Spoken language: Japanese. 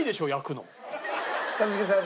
一茂さん